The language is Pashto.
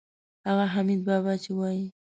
هغه حمیدبابا چې وایي.